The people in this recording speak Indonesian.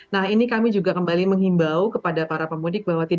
nah ini kami juga kembali menghimbau kepada para pemudik bahwa